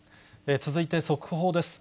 続いて速報です。